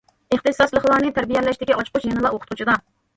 ئىختىساسلىقلارنى تەربىيەلەشتىكى ئاچقۇچ يەنىلا ئوقۇتقۇچىدا.